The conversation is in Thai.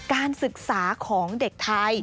การศึกษาของเด็กไทย